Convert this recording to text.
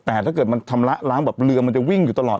แต่ถ้าเกิดมันทำละเหลือมันจะวิ่งอยู่ตลอด